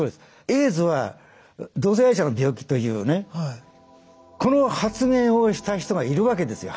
「エイズは同性愛者の病気」というねこの発言をした人がいるわけですよ